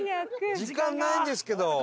時間ないんですけど。